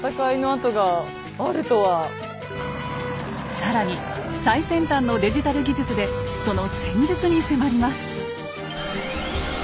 更に最先端のデジタル技術でその戦術に迫ります。